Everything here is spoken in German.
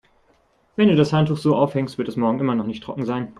Wenn du das Handtuch so aufhängst, wird es morgen immer noch nicht trocken sein.